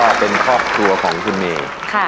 ก็เป็นครอบครัวของคุณเมย์